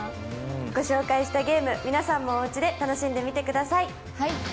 御紹介したゲーム、皆さんもおうちで楽しんでみてください。